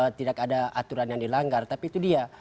tidak ada aturan yang dilanggar tapi itu dia